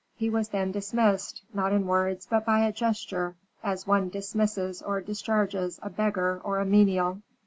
He was then dismissed, not in words, but by a gesture, as one dismisses or discharges a beggar or a menial.